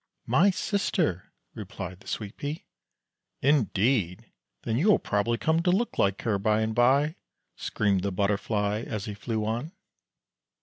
" My sister," replied the Sweet pea. "Indeed! then you will probably come to look like her, by and by," screamed the Butterfly as he flew on.